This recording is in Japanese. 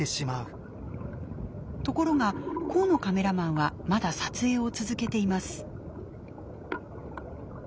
ところが河野カメラマンはまだ撮影を続けています。